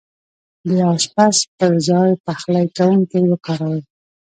د اشپز پر ځاي پخلی کونکی وکاروئ